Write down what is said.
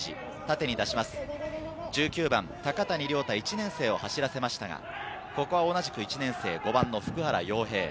高谷遼太、１年生を走らせましたが、ここは同じく１年生・普久原陽平。